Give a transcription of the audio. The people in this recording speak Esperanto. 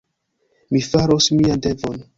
Mi faros mian devon.